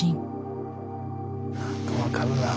何か分かるなあ。